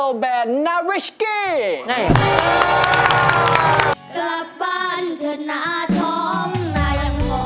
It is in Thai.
พ่อแม่นั่งจาล้อย